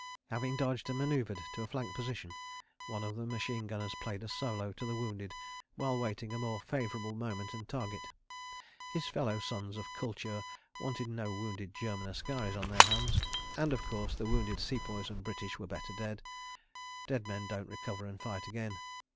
Having dodged and manœuvred to a flank position, one of the machine gunners played a solo to the wounded while waiting a more favourable moment and target. His fellow sons of kultur wanted no wounded German askaris on their hands, and of course the wounded Sepoys and British were better dead. Dead men don't recover and fight again.